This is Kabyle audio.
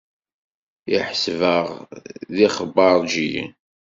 Iḥseb-aɣ d ixbaṛǧiyen.